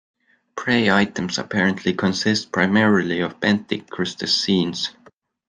Prey items apparently consist primarily of benthic crustaceans.